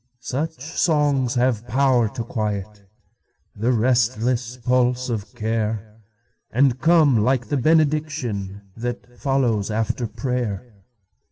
Such songs have power to quietThe restless pulse of care, And come like the benedictionThat follows after prayer.